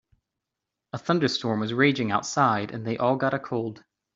A thunderstorm was raging outside and they all got a cold.